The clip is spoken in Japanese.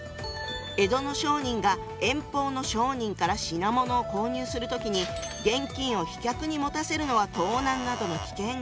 江戸の商人が遠方の商人から品物を購入する時に現金を飛脚に持たせるのは盗難などの危険があった。